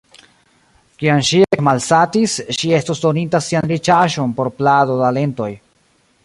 Kiam ŝi ekmalsatis, ŝi estus doninta sian riĉaĵon por plado da lentoj.